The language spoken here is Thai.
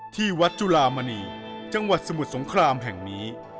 ที่วัดจุลามณีจังหวัดสมุทรสงครามแห่งนี้